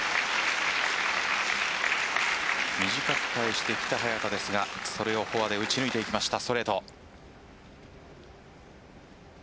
短く返してきた早田ですがそれをフォアで打ち抜いていきました。